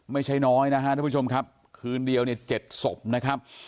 ไม่ใช่น้อยนะฮะทุกผู้ชมครับคืนเดียวเนี่ย๗ศพนะครับ